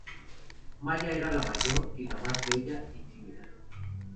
Maya era la mayor y la más bella y tímida.